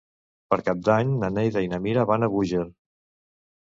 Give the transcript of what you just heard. Per Cap d'Any na Neida i na Mira van a Búger.